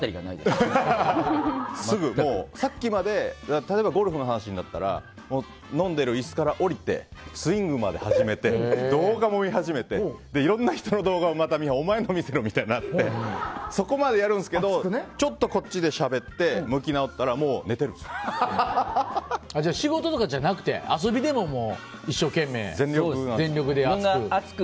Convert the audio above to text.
もうすぐ例えばゴルフの話になったら飲んでる椅子から下りてスイングまで始めて動画も見始めていろんな人の動画をお前の見せろみたいになってそこまでやるんですけどちょっとこっちでしゃべって向き直ったらじゃあ仕事とかじゃなくて遊びでももう一生懸命全力で熱く。